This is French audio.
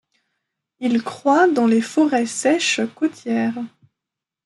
Il croît dans les forêts sèches côtières.